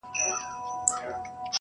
سندره -